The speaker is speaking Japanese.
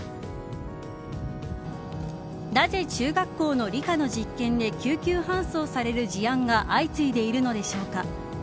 なぜ中学校の理科の実験で救急搬送される事案が相次いでいるのでしょうか。